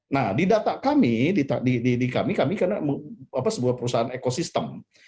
nah di data kami di kami kami karena sebuah perusahaan ekosistem